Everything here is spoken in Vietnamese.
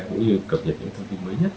cũng như cập nhật những thông tin mới nhất